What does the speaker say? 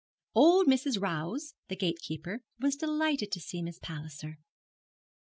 Old Mrs. Rowse, the gatekeeper, was delighted to see Miss Palliser.